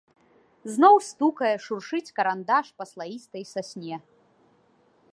Зноў стукае, шуршыць карандаш па слаістай сасне.